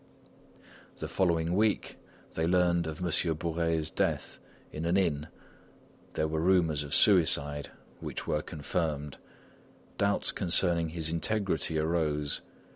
The following week they learned of Monsieur Bourais' death in an inn. There were rumours of suicide, which were confirmed; doubts concerning his integrity arose.